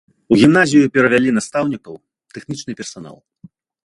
У гімназію перавялі настаўнікаў, тэхнічны персанал.